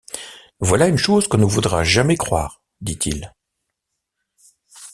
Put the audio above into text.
Voilà une chose qu’on ne voudra jamais croire », dit-il.